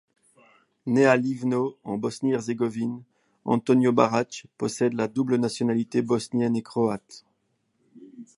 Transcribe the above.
Né à Livno en Bosnie-Herzégovine, Antonio Barać possède la double nationalité bosnienne et croate.